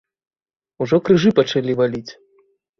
Ужо крыжы пачалі валіць!